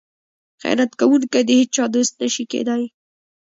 خیانت کوونکی د هیچا دوست نشي کیدی.